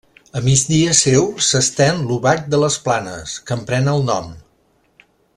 A migdia seu s'estén l'Obac de les Planes, que en pren el nom.